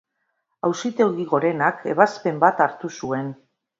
Auzitegi gorenak ebazpen bat hartu zuen.